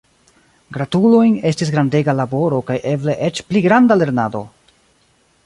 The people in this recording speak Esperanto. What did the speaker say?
Gratulojn estis grandega laboro kaj eble eĉ pli granda lernado!